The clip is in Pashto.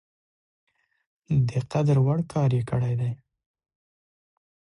د قدر وړ کار یې کړی دی.